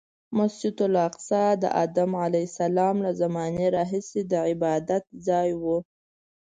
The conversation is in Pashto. مسجد الاقصی د ادم علیه السلام له زمانې راهیسې د عبادتځای و.